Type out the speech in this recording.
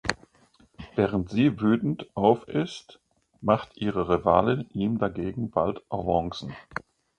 Während sie wütend auf ist, macht ihre Rivalin ihm dagegen bald Avancen.